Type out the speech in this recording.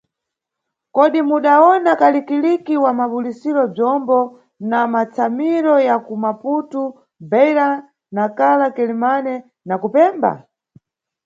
Kodi mudawona kaliki-liki wa mabulusidwe bzombo pa matsamiro ya ku Maputo, Beira, Nacla, Quelimane na ku Pemba?